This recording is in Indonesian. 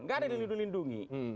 nggak ada yang dilindungi